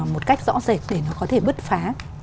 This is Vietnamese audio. một cách rõ rệt để nó có thể bứt phá